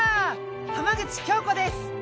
浜口京子です。